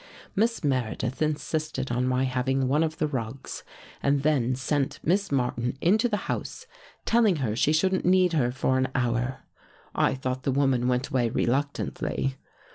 Miss Meredith insisted on my having one of the rugs and then sent Miss Martin into the house, telling her she shouldn't need her for an hour. I thought the woman went away reluctantly.